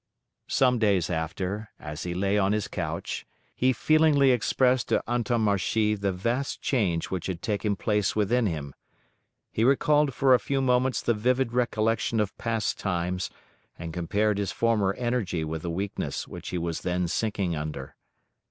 Some days after, as he lay on his couch, he feelingly expressed to Antommarchi the vast change which had taken place within him. He recalled for a few moments the vivid recollection of past times, and compared his former energy with the weakness which he was then sinking under.